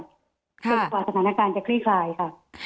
จนกว่าสถานการณ์จะคลี่คลายค่ะ